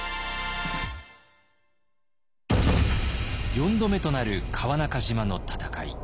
４度目となる川中島の戦い。